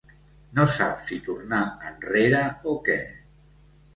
No sap si tornar enrere o què.